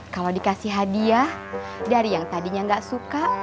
kalau dikasih hadiah dari yang tadinya nggak suka